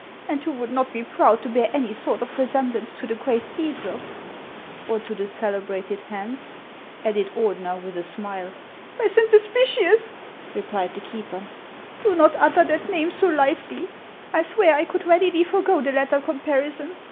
And who would not be proud to bear any sort of resemblance to the great ^Esop ?"" Or to the celebrated Hans ?" added Ordener, with a smile. " By Saint Hospitius," replied the keeper, "do not utter that name so lightly ; I swear I could readily forego the latter comparison.